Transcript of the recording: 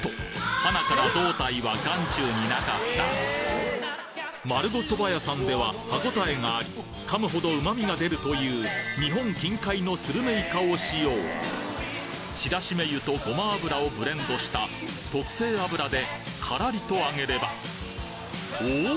ハナから胴体は眼中になかった丸五そば屋さんでは歯ごたえがあり噛むほど旨味がでるという日本近海のスルメイカを使用白絞油とごま油をブレンドした特製油でカラリと揚げればおお！